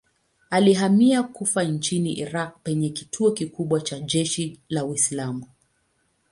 Alihamia Kufa nchini Irak penye kituo kikubwa cha jeshi la Uislamu.